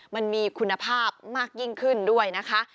มันมีคุณภาพมากยิ่งขึ้นด้วยนะคะ